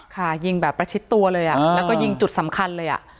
ค่ะยิงแบบประชิดตัวเลยแล้วก็ยิงจุดสำคัญเลย